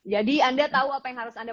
jadi anda tahu apa yang harus anda